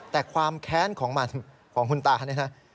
แต่ความแค้นของมันของคุณตาเนี่ยนะ